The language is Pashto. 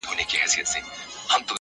ته توپک را واخله ماته بم راکه,